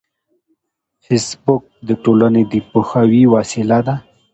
فېسبوک د ټولنې د پوهاوي وسیله ده